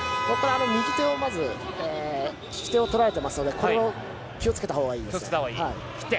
右手をまず引き手を捉えていますのでこれは気をつけたほうがいいです。